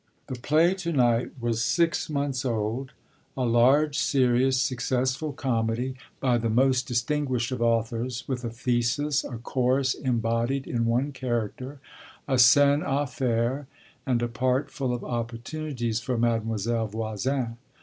[*: 1890] The play to night was six months old, a large, serious, successful comedy by the most distinguished of authors, with a thesis, a chorus embodied in one character, a scène à faire and a part full of opportunities for Mademoiselle Voisin.